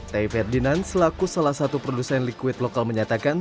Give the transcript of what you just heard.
tay ferdinand selaku salah satu produsen liquid lokal menyatakan